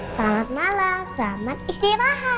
selamat malam selamat istirahat